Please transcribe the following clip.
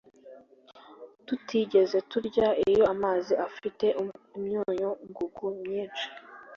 tutigeze turya. Iyo amazi afite imyunyu ngugu myinshi